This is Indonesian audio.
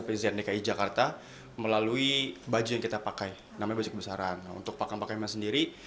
pilihan dki jakarta melalui baju yang kita pakai namanya besar untuk pakem pakem sendiri